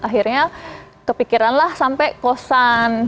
akhirnya kepikiranlah sampai kosan